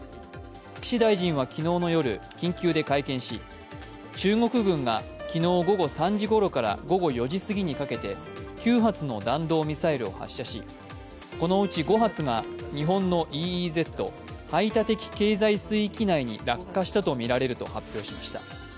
岸大臣は昨日の夜、緊急で会見し、中国軍が午後３時ごろから午後４時過ぎにかけて９発の弾道ミサイルを発射しこのうち５発が日本のＥＥＺ＝排他的経済水域内に落下したとみられると発表しました。